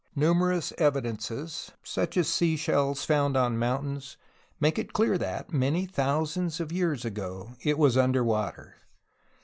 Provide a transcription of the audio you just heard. Nu merous evidences, such as sea shells found on mountains, make it clear that, many thousand years ago, it was under water.